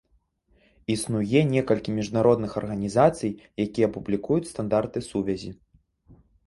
Існуе некалькі міжнародных арганізацый, якія публікуюць стандарты сувязі.